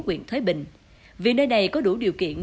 quyện thới bình vì nơi này có đủ điều kiện